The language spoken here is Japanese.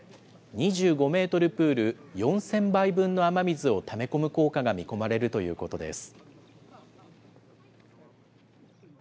２５メートルプール４０００杯分の雨水をため込む効果が見込まれるということです。